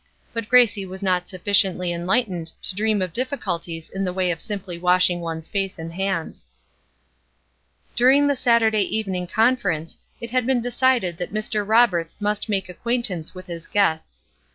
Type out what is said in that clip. But Gracie was not sufficiently enlightened to dream of difficulties in the way of simply washing one's face and hands. During the Saturday evening conference it had been decided that Mr. Roberts must make acquaintance with his guests.